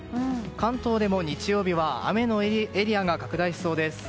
関東でも日曜日は雨のエリアが拡大しそうです。